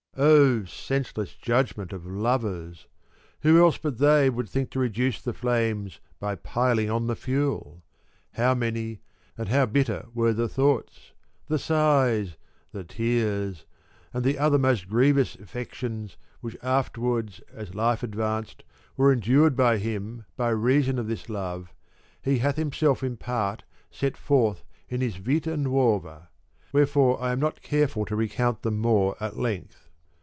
Oh senseless judgment of lovers ! Who else but they would think to reduce the flames by piling on the fuel? How many and how bitter were the h 17 thoughts, the sighs, the tears, and the other most grievous affections which afterwards, as life advanced, were endured by him by reason of this love, he hath himself in part set forth in his Fita Nuova ; wherefore I am not careful to recount them more at length.